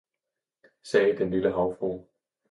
sagde den lille havfrue.